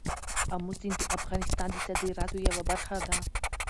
آمو سیند د افغانستان د صادراتو یوه برخه ده.